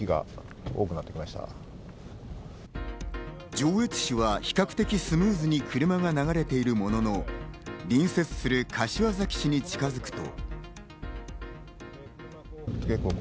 上越市は比較的スムーズに車が流れているものの、隣接する柏崎市に近づくと。